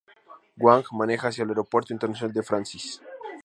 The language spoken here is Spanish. Huang maneja hacia el Aeropuerto Internacional de Francis.